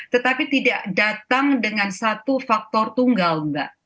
tetapi tidak datang dengan satu faktor tunggal mbak